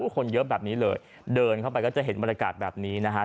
คนเยอะแบบนี้เลยเดินเข้าไปก็จะเห็นบรรยากาศแบบนี้นะฮะ